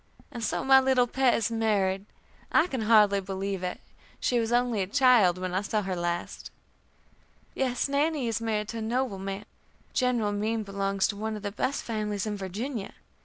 And so my little pet is married? I can hardly believe it; she was only a child when I saw her last." "Yes, Nannie is married to a noble man. General Meem belongs to one of the best families in Virginia.